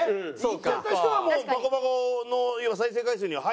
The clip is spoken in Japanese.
いっちゃった人はもう「パコパコ」の要は再生回数には入るわけですもんね。